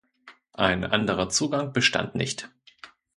Ein anderer Zugang bestand nicht.